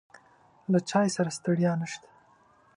له چای سره ستړیا نشته.